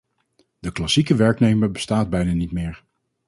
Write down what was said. De klassieke werknemer bestaat bijna niet meer.